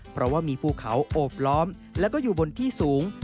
เพราะว่ามีภูเขาโอบล้อมและก็อยู่บนที่สูง